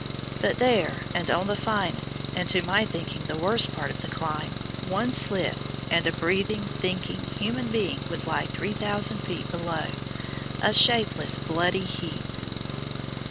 But there, and on the final, and, to my thinking, the worst part of the climb, one slip, and a breathing, thinking, human being would lie 3,000 feet below, a shapeless, bloody heap!